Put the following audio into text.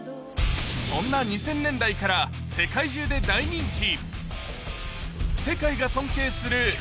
そんな２０００年代から世界中で大人気。